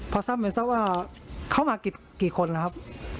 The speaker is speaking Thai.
ครับเขาว่าเข้ามากี่คนครับ